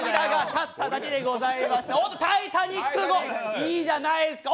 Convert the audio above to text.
おっとタイタニック号、いいじゃないですか。